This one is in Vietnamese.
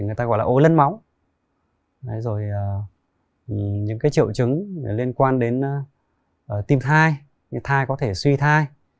người ta gọi là ối lấn máu rồi những cái triệu chứng liên quan đến tim thai thai có thể suy thai